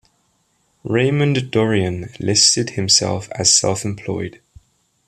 Raymond Dorion listed himself as self-employed.